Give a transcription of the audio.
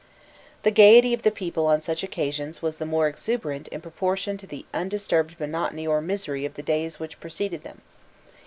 The gaiety of the people on such occasions was the more exuberant in proportion to the undisturbed monotony or misery of the days which preceded them.